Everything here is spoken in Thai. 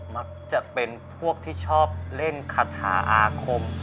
มักจะเป็นพวกที่ชอบเล่นคาถาอาคม